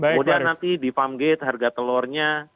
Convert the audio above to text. kemudian nanti di farm gate harga telurnya